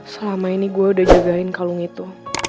selama ini gue udah jagain kalung itu